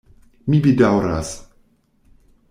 Mi bedaŭras.